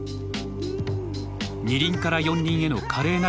「２輪から４輪への華麗なる転身」。